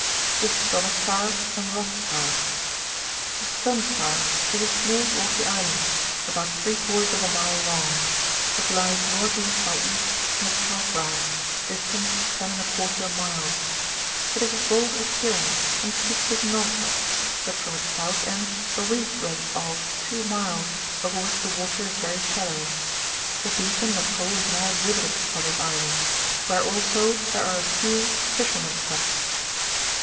TBS STONSSXAB. and &OTHSXA&. — ^The Stoneskar is a small rocky island, about three quarters of a mile long; it lies N.E. by E. &om the Chalk Ground, distant lOJ miles. It is of bold appearance, and steep to the northward ; but from its south end a reef runs off 2 miles, over which the water is very shallow. A beacon and a pole is now exhibited upon this island, where also there are a few fishermen^s huts.